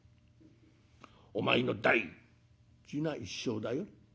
お前の大事な一生だよ。